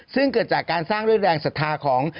ซึ่งเกิดจากการสร้างด้วยแรงศรัทธาของ